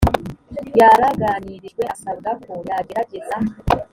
yaraganirijwe asabwa ko yagerageza